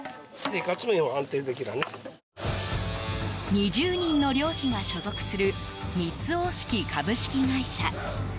２０人の漁師が所属する三津大敷株式会社。